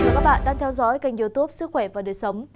các bạn đang theo dõi kênh youtube sức khỏe và đời sống